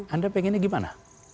anda pengennya gimana